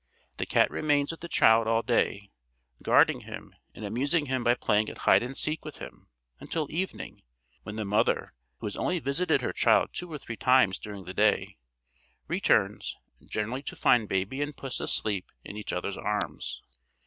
The cat remains with the child all day, guarding him and amusing him by playing at hide and seek with him, until evening, when the mother, who has only visited her child two or three times during the day, returns, generally to find baby and puss asleep in each other's arms.